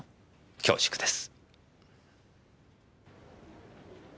恐縮です。